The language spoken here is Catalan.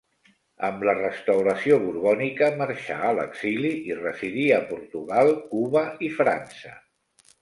Amb la Restauració borbònica marxà a l'exili i residí a Portugal, Cuba i França.